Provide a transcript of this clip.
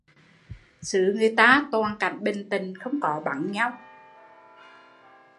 Xứ người ta toàn cảnh bình tịnh, không có bắn nhau